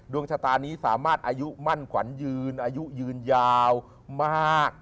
ดวงชะตานี้สามารถอายุมั่นขวัญยืนอายุยืนยาวมาก